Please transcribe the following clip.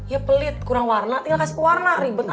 ya pelit kurang warna tinggal kasih pewarna ribet